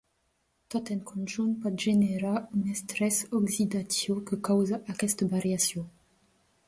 Tot en conjunt pot generar un estrès oxidatiu que causa aquesta variació.